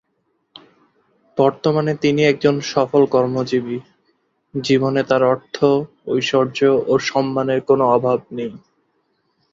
বর্তমানে তিনি একজন সফল কর্মজীবী, জীবনে তার অর্থ, ঐশ্বর্য ও সম্মানের কোনো অভাব নেই।